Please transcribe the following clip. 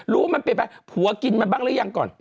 รู้มันเป็นแปลกหัวกินมันบ้างหรือยังก่อน